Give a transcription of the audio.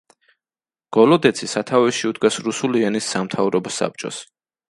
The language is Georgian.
გოლოდეცი სათავეში უდგას რუსული ენის სამთავრობო საბჭოს.